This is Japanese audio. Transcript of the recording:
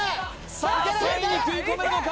さあ３位に食い込めるのか？